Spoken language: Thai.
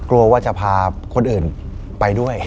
กลัวว่าจะพาคนอื่นไปด้วย